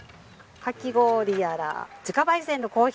かき氷やら自家焙煎のコーヒー